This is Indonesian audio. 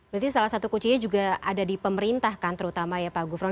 berarti salah satu kuncinya juga ada di pemerintah kan terutama ya pak gufron